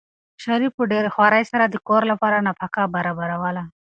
شریف په ډېرې خوارۍ سره د کور لپاره نفقه برابروله.